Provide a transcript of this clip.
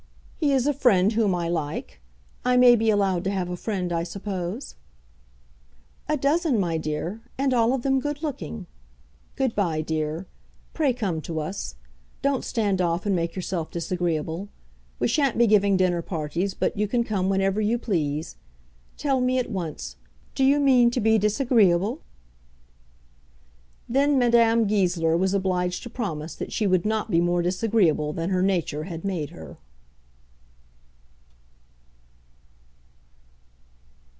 "He is a friend whom I like. I may be allowed to have a friend, I suppose." "A dozen, my dear; and all of them good looking. Good bye, dear. Pray come to us. Don't stand off and make yourself disagreeable. We shan't be giving dinner parties, but you can come whenever you please. Tell me at once; do you mean to be disagreeable?" Then Madame Goesler was obliged to promise that she would not be more disagreeable than her nature had made her.